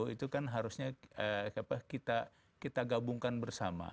itu kan harusnya kita gabungkan bersama